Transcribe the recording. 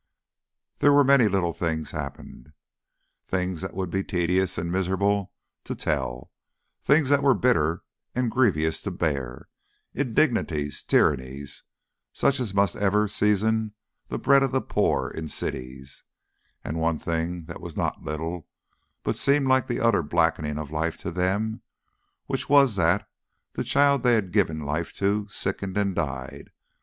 There were many little things happened: things that would be tedious and miserable to tell, things that were bitter and grievous to bear indignities, tyrannies, such as must ever season the bread of the poor in cities; and one thing that was not little, but seemed like the utter blackening of life to them, which was that the child they had given life to sickened and died.